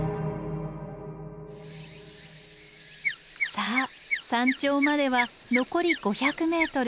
さあ山頂までは残り５００ｍ。